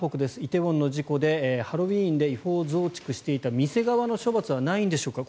梨泰院の事故で、ハロウィーンで違法増築していた店側の処罰はないんでしょうか？